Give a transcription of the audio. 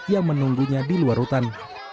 yang menunggunya di luar rutan